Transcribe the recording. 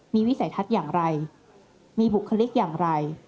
มีวิสัยทัศน์อย่างไรมีบุคลิกอย่างไร